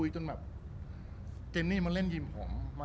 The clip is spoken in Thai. เจนนี่มาเล่นยิ่มผม